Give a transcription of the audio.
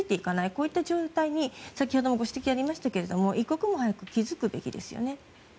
こういった状態に先ほどもご指摘ありましたけれども一刻も早く気付くべきですよね。